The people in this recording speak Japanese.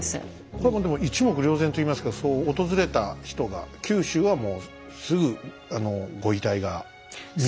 これもでも一目瞭然といいますかそう訪れた人が九州はもうすぐご遺体が見れますけど。